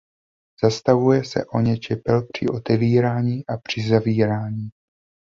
Zastavuje se o ně čepel při otvírání a při zavírání.